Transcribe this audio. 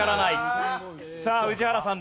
さあ宇治原さんです。